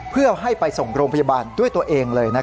เพื่อให้ไปส่งโรงพยาบาลด้วยตัวเองเลย